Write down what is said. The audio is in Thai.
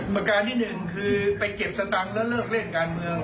ประการที่หนึ่งคือไปเก็บสตังค์แล้วเลิกเล่นการเมือง